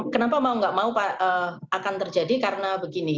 kenapa mau nggak mau akan terjadi karena begini